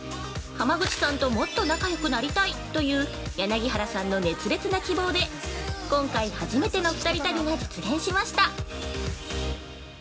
浜口さんともっと仲よくなりたいという柳原さんの熱烈な希望で今回、初めての２人旅が実現しました！